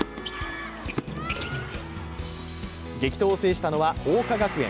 激闘を制したのは桜花学園。